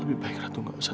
lebih baik kau menjaga saya